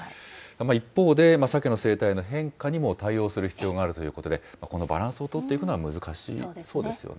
一方で、サケの生態の変化にも対応する必要があるということで、このバランスを取っていくのは難しそうですよね。